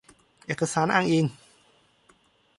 เอกสารอ้างอิง